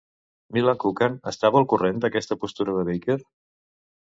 Milan Kucan estava al corrent d'aquesta postura de Baker?